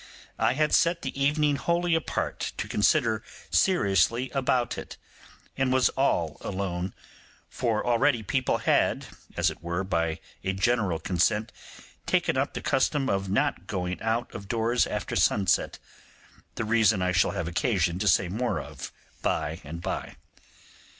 I had set the evening wholly—apart to consider seriously about it, and was all alone; for already people had, as it were by a general consent, taken up the custom of not going out of doors after sunset; the reasons I shall have occasion to say more of by and by.